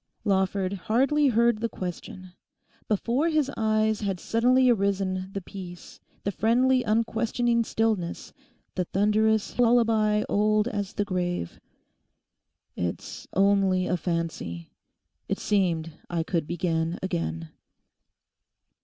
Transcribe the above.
Lawford hardly heard the question. Before his eyes had suddenly arisen the peace, the friendly unquestioning stillness, the thunderous lullaby old as the grave. 'It's only a fancy. It seemed I could begin again.